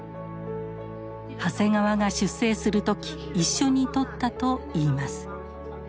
長谷川が出征する時一緒に撮ったといいます。